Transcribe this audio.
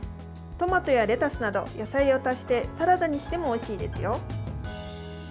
トマトやレタスなど野菜を足してサラダにしてもおいしいですよ。